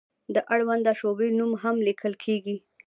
د اړونده شعبې نوم هم لیکل کیږي.